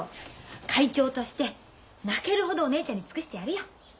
会長として泣けるほどお姉ちゃんに尽くしてやるよ。